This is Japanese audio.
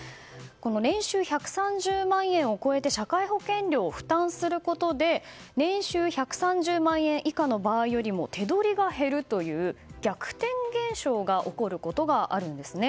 年収１３０万円を超えて社会保険料を負担することで年収１３０万円以下の場合よりも手取りが減るという逆転現象が起こることがあるんですね。